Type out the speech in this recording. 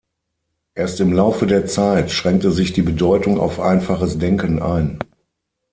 Erst im Laufe der Zeit schränkte sich die Bedeutung auf einfaches Denken ein.